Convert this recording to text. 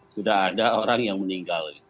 sudah ada orang yang meninggal